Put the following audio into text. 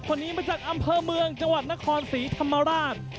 คนนี้มาจากอำเภอเมืองจังหวัดนครศรีธรรมราช